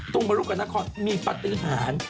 ตรงมรุกกะนครมีปฏิหาร